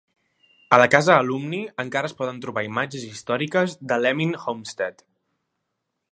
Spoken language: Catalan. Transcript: A la casa Alumni encara es poden trobar imatges històriques de l"Emin Homestead.